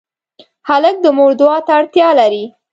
هلک د مور دعا ته اړتیا لري.